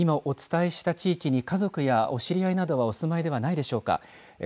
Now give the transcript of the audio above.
そして全国の皆さん、今、お伝えした地域に家族やお知り合いなどはお住まいではないでしょうか。